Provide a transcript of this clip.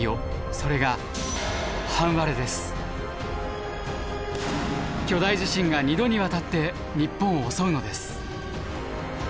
それが巨大地震が２度にわたって日本を襲うのです。